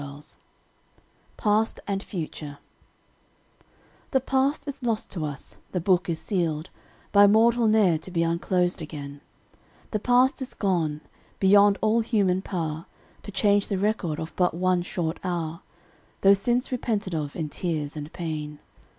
PAST AND FUTURE The past is lost to us the book is sealed, By mortal ne'er to be unclosed again; The past is gone beyond all human power To change the record of but one short hour, Though since repented of in tears and pain.